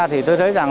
thì tôi thấy rằng